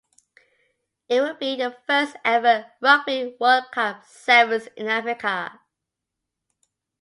It will be the first ever Rugby World Cup Sevens in Africa.